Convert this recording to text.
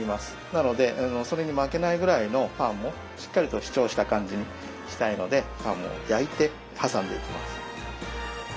なのでそれに負けないぐらいのパンをしっかりと主張した感じにしたいのでパンを焼いて挟んでいきます。